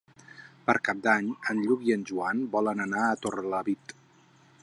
Per Cap d'Any en Lluc i en Joan volen anar a Torrelavit.